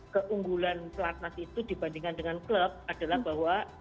keunggulan pelatnas itu dibandingkan dengan klub adalah bahwa